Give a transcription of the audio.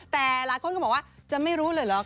แต่หลายคนก็บอกว่าจะไม่รู้เลยเหรอ